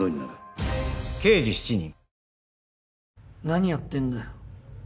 何やってんだよ。